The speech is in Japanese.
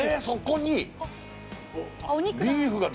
そこに！？